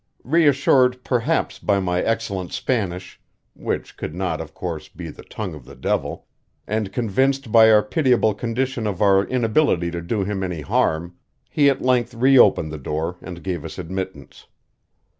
Reassured, perhaps, by my excellent Spanish which could not, of course, be the tongue of the devil and convinced by our pitiable condition of our inability to do him any harm, he at length reopened the door and gave us admittance.